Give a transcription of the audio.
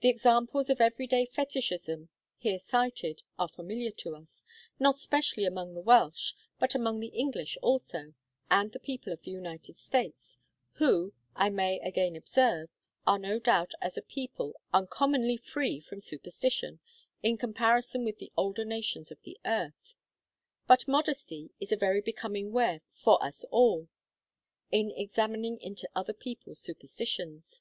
The examples of every day fetichism here cited are familiar to us, not specially among the Welsh, but among the English also, and the people of the United States who, I may again observe, are no doubt as a people uncommonly free from superstition, in comparison with the older nations of the earth; but modesty is a very becoming wear for us all, in examining into other people's superstitions.